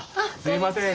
すいません。